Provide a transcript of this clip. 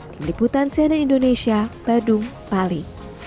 tim liputan cnn indonesia badung bali